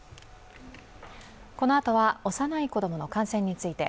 このあとは幼い子供の感染について。